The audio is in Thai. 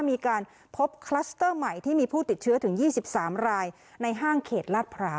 มีการพบคลัสเตอร์ใหม่ที่มีผู้ติดเชื้อถึง๒๓รายในห้างเขตลาดพร้าว